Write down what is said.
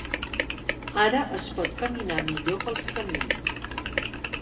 Ara es pot caminar millor pels camins.